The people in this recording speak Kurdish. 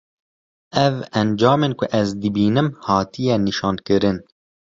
ev encamên ku ez dibînim hatiye nîşankirin;